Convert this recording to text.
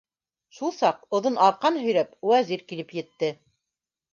Шул саҡ, оҙон арҡан һөйрәп Вәзир килеп етте.